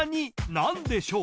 何でしょう？